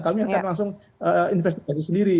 kami akan langsung investigasi sendiri